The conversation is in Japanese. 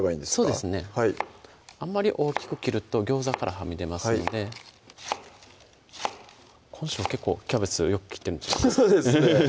そうですねあんまり大きく切ると餃子からはみ出ますので今週は結構キャベツをよく切ってそうですね